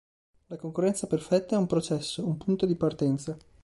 La concorrenza perfetta è un processo, un punto di partenza.